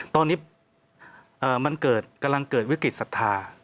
ตอนนี้มันกำลังเกิดวิกฤตศรัทธา